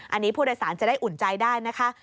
อันนี้ผู้โดยสารจะได้อุ่นใจได้นะคะ